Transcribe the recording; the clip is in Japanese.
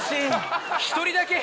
１人だけ。